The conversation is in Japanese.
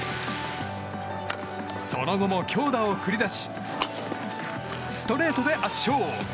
その後も強打を繰り出しストレートで圧勝。